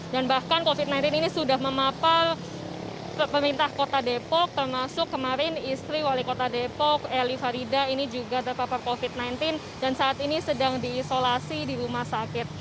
dan bahkan covid sembilan belas ini sudah memapar pemerintah kota depok termasuk kemarin istri wali kota depok eli farida ini juga terpapar covid sembilan belas dan saat ini sedang diisolasi di rumah sakit